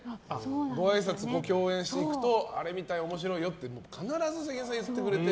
ごあいさつ、ご共演していくとあれ見たよ、面白いよって必ず言ってくれて。